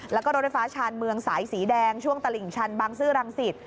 แล้วก็รถไฟฟ้าชาญเมืองสายสีแดงช่วงตลิ่งชันบางซื่อรังสิต